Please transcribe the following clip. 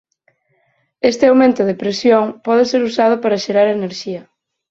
Este aumento de presión pode ser usado para xerar enerxía.